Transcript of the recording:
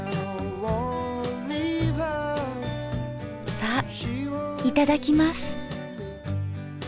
さぁいただきます。